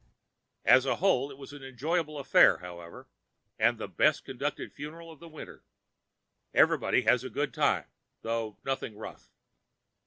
As a whole, it is an enjoyable affair, however, and the best conducted funeral of the winter. Everybody has a good time, though nothing rough.